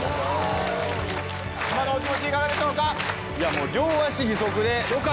今のお気持ちいかがでしょうか？